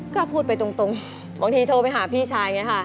ก็พูดไปตรงบางทีโทรไปหาพี่ชายไงค่ะ